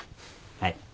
はい。